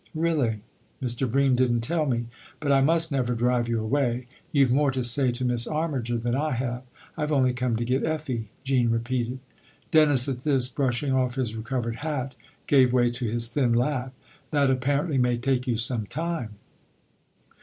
"Really? Mr. Bream didn't tell me. But I must never drive you away. You've more to say to Miss Armiger than I have. I've only come to get Effie," Jean repeated. Dennis at this, brushing off his recovered hat, gave way to his thin laugh. " That apparently may take you some time